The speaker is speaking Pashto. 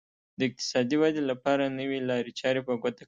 د اقتصادي ودې لپاره نوې لارې چارې په ګوته کوي.